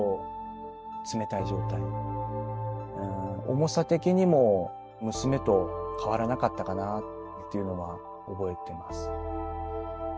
重さ的にも娘と変わらなかったかなっていうのは覚えてます。